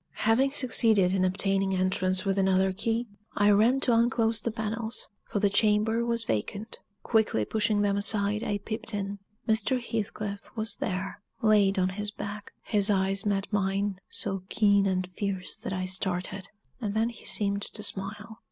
Having succeeded in obtaining entrance with another key, I ran to unclose the panels, for the chamber was vacant quickly pushing them aside, I peeped in. Mr. Heathcliff was there laid on his back. His eyes met mine, so keen and fierce that I started; and then he seemed to smile.